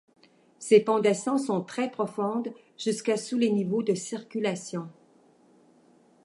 Ses fondations sont très profondes, jusqu'à sous les niveaux de circulation.